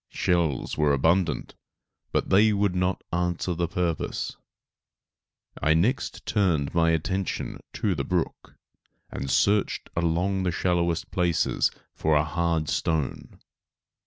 Shells were abundant, but they would not answer the purpose. I next turned my attention to the brook, and searched along the shallowest places for a hard stone.